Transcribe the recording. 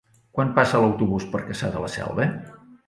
Quan passa l'autobús per Cassà de la Selva?